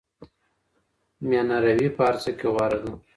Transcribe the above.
میانه روی په هر څه کي غوره ده.